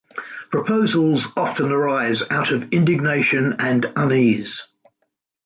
Proposals often arise out of indignation and unease.